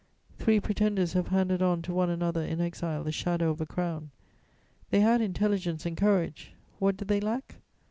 Three pretenders have handed on to one another in exile the shadow of a crown; they had intelligence and courage: what did they lack?